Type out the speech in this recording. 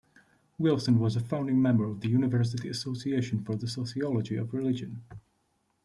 Wilson was a founding member of the University Association for the Sociology of Religion.